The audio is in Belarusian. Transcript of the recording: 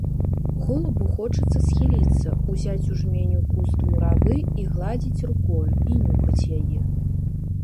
Голубу хочацца схіліцца, узяць у жменю куст муравы і гладзіць рукою, і нюхаць яе.